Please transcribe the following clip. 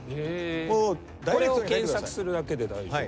これを検索するだけで大丈夫です。